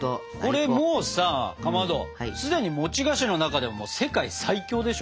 これもうさかまど既に菓子の中でも世界最強でしょ。